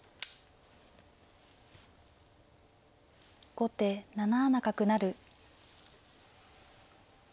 後手７七角成。